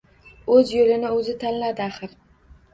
O`z yo`lini o`zi tanladi axir